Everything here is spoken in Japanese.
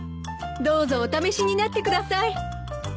どうぞお試しになってください。